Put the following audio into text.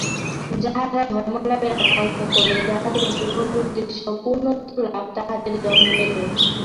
যাহারা ধর্মলাভের আকাঙ্ক্ষা করে, যাহাদের জীবনের উদ্দেশ্য পূর্ণত্ব-লাভ, তাহাদের জন্যই ঐ উপদেশ।